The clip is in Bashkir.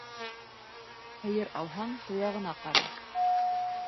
Һыйыр алһаң, тояғына кара